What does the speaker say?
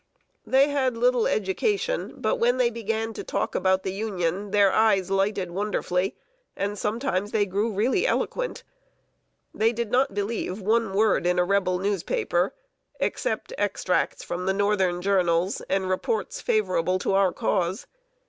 They had little education; but when they began to talk about the Union, their eyes lighted wonderfully, and sometimes they grew really eloquent. They did not believe one word in a Rebel newspaper, except extracts from the Northern journals, and reports favorable to our Cause.